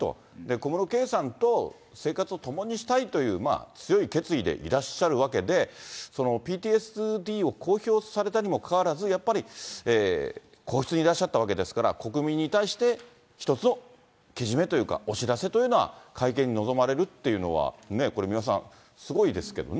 小室圭さんと生活を共にしたいという強い決意でいらっしゃるわけで、ＰＴＳＤを公表されたにもかかわらず、やっぱり皇室にいらっしゃったわけですから、国民に対して、１つのけじめというか、お知らせというのは、会見に臨まれるというのはね、これ三輪さん、すごいですけどね。